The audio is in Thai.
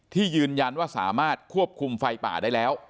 ที่ยืนยันว่าสามารถควบคุมไฟป่าได้แล้ว